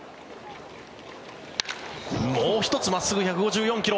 もう１つ、真っすぐ１５４ｋｍ。